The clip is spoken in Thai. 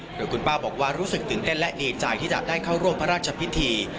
โดยคุณป้าบอกว่ารู้สึกตื่นเต้นและดีใจที่จะได้เข้าร่วมพระราชพิธี